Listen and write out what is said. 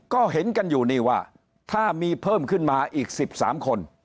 ก็เห็นกันอยู่นี่ว่าถ้ามีเพิ่มขึ้นมาอีก๑๓คน